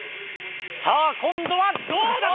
さあ今度はどうだ？